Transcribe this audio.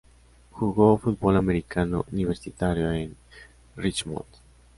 Jugó fútbol americano universitario en Richmond.